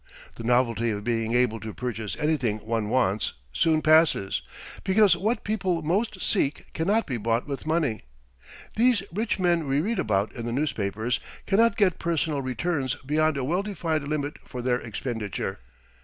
The novelty of being able to purchase anything one wants soon passes, because what people most seek cannot be bought with money. These rich men we read about in the newspapers cannot get personal returns beyond a well defined limit for their expenditure.